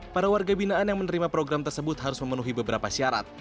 para warga binaan yang menerima program tersebut harus memenuhi beberapa syarat